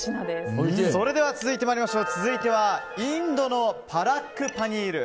続いてはインドのパラックパニール。